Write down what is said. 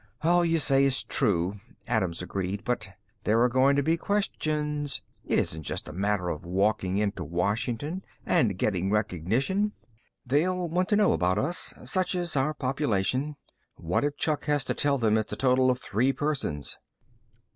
"All you say is true," Adams agreed, "but there are going to be questions. It isn't just a matter of walking into Washington and getting recognition. They'll want to know about us, such as our population. What if Chuck has to tell them it's a total of three persons?"